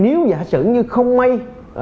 nếu giả sử như không may